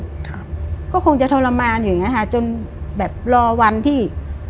ครับก็คงจะทรมานอยู่เนี้ยจนแบบรอวันที่